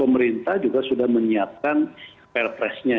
pemerintah juga sudah menyiapkan perpresnya